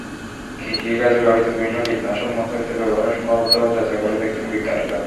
কৃষিকাজে ব্যবহৃত বিভিন্ন কীটনাশক মশারিতে ব্যবহারের সম্ভাব্যতাও যাচাই করে দেখছেন বিজ্ঞানীরা।